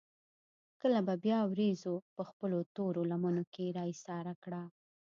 کله به بيا وريځو پۀ خپلو تورو لمنو کښې را ايساره کړه ـ